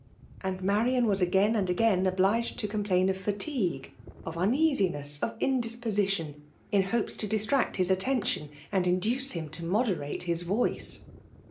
And Marian was again and again obliged to eomplain of fatigue, of uneasiness, of indispo sition, in hopes to distract his attention, and induce him to moderate his voice.